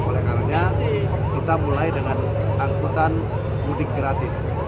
oleh karena kita mulai dengan angkutan mudik gratis